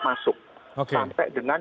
masuk sampai dengan